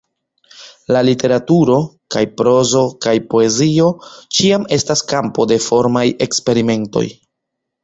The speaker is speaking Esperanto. La literaturo – kaj prozo kaj poezio – ĉiam estas kampo de formaj eksperimentoj.